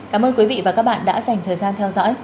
cảm ơn quý vị và các bạn đã dành thời gian theo dõi